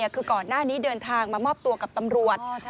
คือก่อนหน้านี้เดินทางมามอบตัวกับตำรวจ